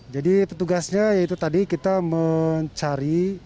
jadi petugasnya yaitu tadi kita mencari